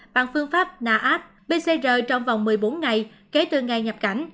bằng phương pháp naat pcr trong vòng một mươi bốn ngày kể từ ngày nhập cảnh